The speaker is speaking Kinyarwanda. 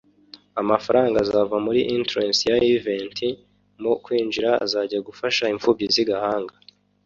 Amafaranga azava muri entrance ya event (mu kwinjira) azajya gufasha imfubyi z’i Gahanga